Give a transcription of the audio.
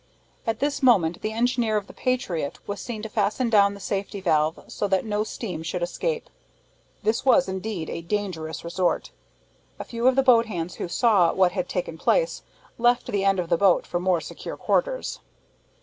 At this moment the engineer of the Patriot was seen to fasten down the safety valve, so that no steam should escape. This was, indeed, a dangerous resort. A few of the boat hands who saw what had taken place, left that end of the boat for more secure quarters.